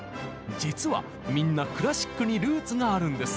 実はみんなクラシックにルーツがあるんです。